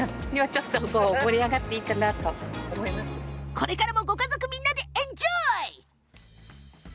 これからもご家族みんなでエンジョイ！